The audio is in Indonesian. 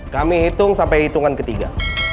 kami hitung sampai hitungan ketiga